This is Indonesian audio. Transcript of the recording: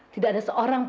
tidak ada seorang